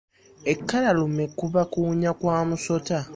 Ekkalalume kuba kuwunya kwa musota.